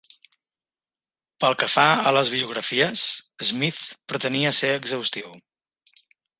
Pel que fa a les biografies, Smith pretenia ser exhaustiu.